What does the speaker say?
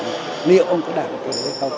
liệu ông có đảm bảo